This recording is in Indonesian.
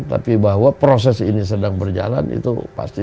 tapi bahwa proses ini sedang berjalan itu pasti